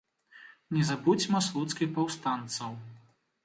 Не забудзьма слуцкіх паўстанцаў!